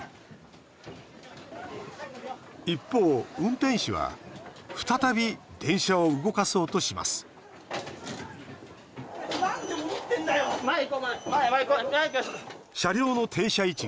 一方、運転士は再び電車を動かそうとします前、行こう！